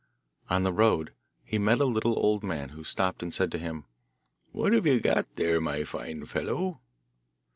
On the road he met a little old man who stopped and said to him, 'What have you got there, my fine fellow?